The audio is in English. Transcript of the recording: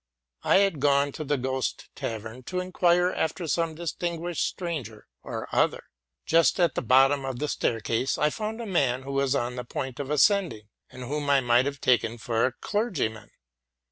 I had gone to the Ghost tavern to inquire after some distinguished stranger or other. Just at the bottom of the staircase I found a man who was on the point of ascending, and whom I might have taken for a clergyman.